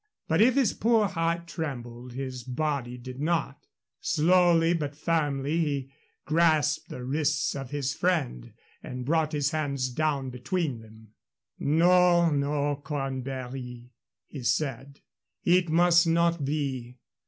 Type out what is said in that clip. But if his poor heart trembled, his body did not. Slowly but firmly he grasped the wrists of his friend and brought his hands down between them. "No, no, Cornbury," he said; "it must not be.